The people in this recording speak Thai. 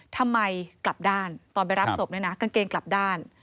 ทำไมกลับด้านตอนไปรับศพด้วยนะกางเกงกลับด้าน